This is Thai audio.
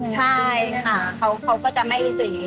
ใช่ค่ะเขาก็จะไม่อิจฉาอย่างนี้